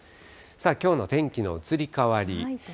きょうの天気の移り変わり。